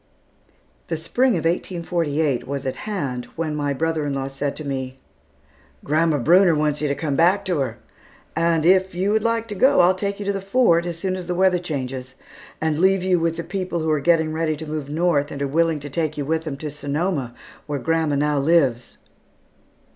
The Spring of 1848 was at hand when my brother in law said to me, "Grandma Brunner wants you to come back to her; and if, you would like to go, I'll take you to the Fort, as soon as the weather changes, and leave you with the people who are getting ready to move north and are willing to take you with them to Sonoma, where grandma now lives."